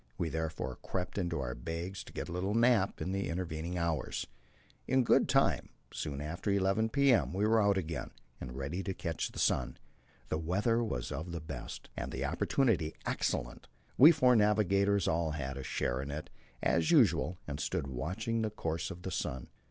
We therefore crept into our bags to get a little nap in the intervening hours. In good time soon after 11 p.m. we were out again, and ready to catch the sun; the weather was of the best, and the opportunity excellent. We four navigators all had a share in it, as usual, and stood watching the course of the sun.